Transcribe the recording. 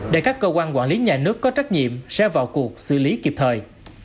để các cơ quan quản lý nhà nước có trách nhiệm sẽ vào cuộc xử lý kịp thời